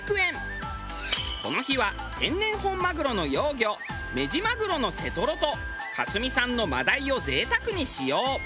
この日は天然本マグロの幼魚メジマグロの背トロと香住産の真鯛を贅沢に使用。